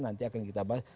nanti akan kita bahas